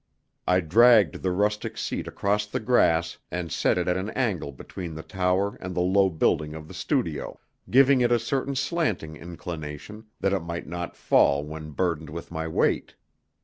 I dragged the rustic seat across the grass and set it in an angle between the tower and the low building of the studio, giving it a certain slanting inclination, that it might not fall when burdened with my weight.